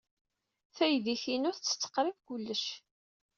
Taydit-inu tettett qrib kullec.